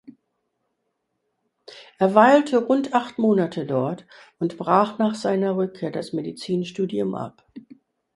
Er weilte rund acht Monate dort und brach nach seiner Rückkehr das Medizinstudium ab.